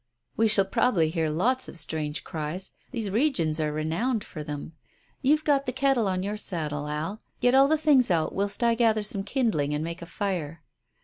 "We shall probably hear lots of strange cries; these regions are renowned for them. You've got the kettle on your saddle, Al. Get all the things out whilst I gather some kindling and make a fire."